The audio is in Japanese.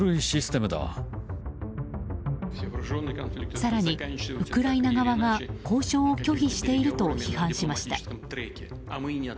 更に、ウクライナ側が交渉を拒否していると批判しました。